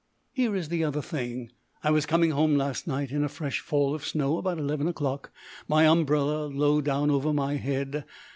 Here is the other thing. I was coming home last night in a fresh fall of snow about eleven o'clock, my umbrella low down over my head.